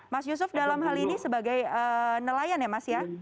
mas yusuf dalam hal ini sebagai nelayan ya mas ya